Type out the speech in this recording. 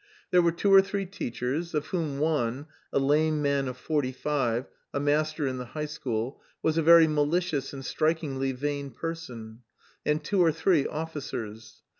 There were two or three teachers, of whom one, a lame man of forty five, a master in the high school, was a very malicious and strikingly vain person; and two or three officers.